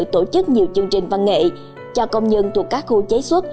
tổ chức nhiều chương trình văn nghệ cho công nhân thuộc các khu chế xuất